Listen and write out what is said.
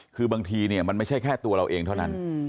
คือบางทีเนี่ยมันไม่ใช่แค่ตัวเราเองเท่านั้น